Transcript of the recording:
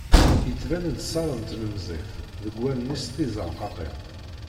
Yettban-d sser n tlemẓit deg wallen-is tizerqaqin.